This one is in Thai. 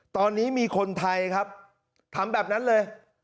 ตอนนี้มีคนไทยครับทำแบบนั้นเลย